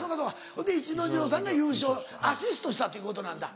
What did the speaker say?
ほんで逸ノ城さんが優勝アシストしたっていうことなんだ。